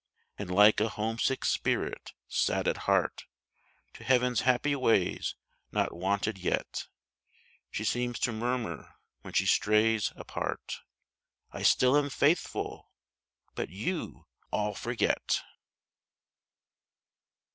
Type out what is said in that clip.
And like a homesick spirit, sad at heart, To heaven s happy ways not wonted yet, She seems to murmur when she strays apart :" I still am faithful ; but you all forget."